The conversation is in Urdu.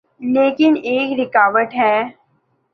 لیکن ایک رکاوٹ ہے۔